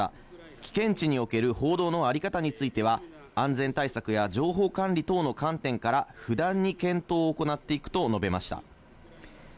危険地における報道のあり方については安全対策や情報管理等の観点から不断に検討を行っていくと述べました。